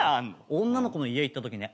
女の子の家行ったときね